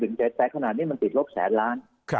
แต่ขนาดนี้มันติดลบแสนล้าน